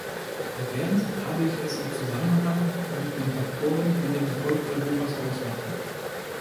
Erwähnt habe ich es im Zusammenhang mit den Faktoren, die den Erfolg Europas ausmachen.